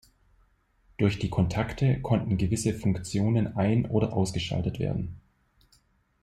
Durch die Kontakte konnten gewisse Funktionen ein- oder ausgeschaltet werden.